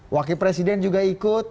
wakil presiden juga ikut